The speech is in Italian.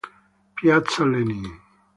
Piazza Lenin